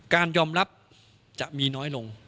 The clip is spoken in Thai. การยอมรับจะมีน้อยลง